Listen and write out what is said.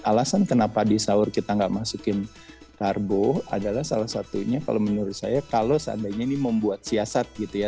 alasan kenapa di sahur kita nggak masukin karbo adalah salah satunya kalau menurut saya kalau seandainya ini membuat siasat gitu ya